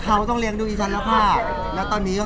เขาต้องเลี้ยงดูดิฉันแล้วค่ะ